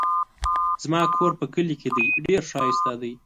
زما کور په کلي کې دی ډېر ښايسته دی